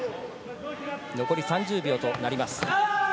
残り３０秒となります。